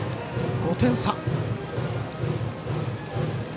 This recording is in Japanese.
５点差。